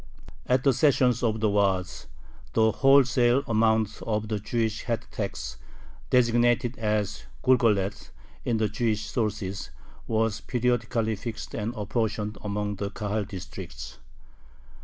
At the sessions of the Waads, the wholesale amount of the Jewish head tax (designated as gulgoleth in the Jewish sources) was periodically fixed and apportioned among the Kahal districts.